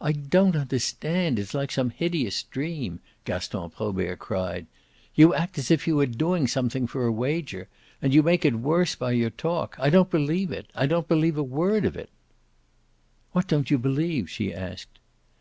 "I don't understand; it's like some hideous dream!" Gaston Probert cried. "You act as if you were doing something for a wager, and you make it worse by your talk. I don't believe it I don't believe a word of it." "What don't you believe?" she asked.